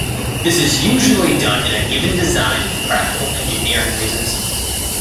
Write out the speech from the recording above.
This is usually done in a given design for practical engineering reasons.